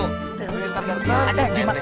biarin pak be